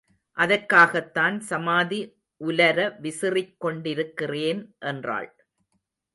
அதற்காகத்தான் சமாதி உலர விசிறிக் கொண்டிருக்கிறேன் என்றாள்.